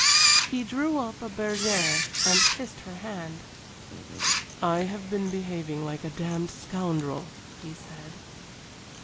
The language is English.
He drew up a bergère and kissed her hand. "I have been behaving like a damned scoundrel," he said.